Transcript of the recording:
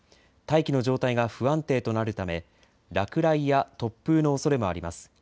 大気の状態が不安定となるため、落雷や突風のおそれもあります。